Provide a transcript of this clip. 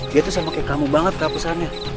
dia tuh sama kayak kamu banget kapusannya